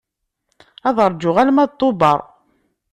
Ad rǧuɣ arma d Tuber.